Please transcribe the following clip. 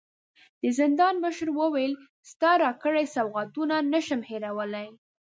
د زندان مشر وويل: ستا راکړي سوغاتونه نه شم هېرولی.